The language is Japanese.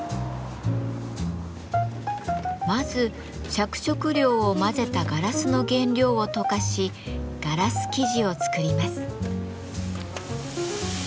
まず着色料を混ぜたガラスの原料を溶かしガラス素地を作ります。